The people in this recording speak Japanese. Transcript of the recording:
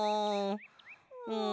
うん。